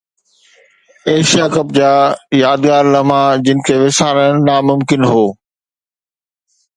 Asia cup جا يادگار لمحا جن کي وسارڻ ناممڪن هو